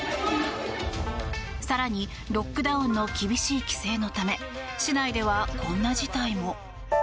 更に、ロックダウンの厳しい規制のため市内でこんな事態も。